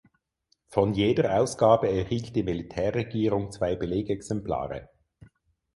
Von jeder Ausgabe erhielt die Militärregierung zwei Belegexemplare.